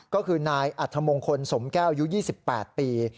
ก็คือนายอัธมงคลสมแก้วอายุ๒๘ปี